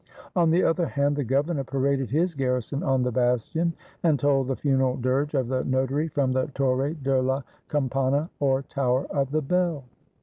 On the other hand, the gover nor paraded his garrison on the bastion, and tolled the funeral dirge of the notary from the Torre de la Cam pana, or Tower of the Bell.